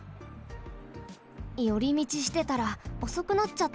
よりみちしてたらおそくなっちゃった。